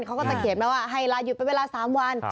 เขาก็จะเขียนมาว่าให้ลาหยุดเป็นเวลา๓วัน